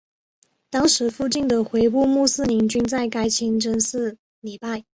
当时附近的回部穆斯林均在该清真寺礼拜。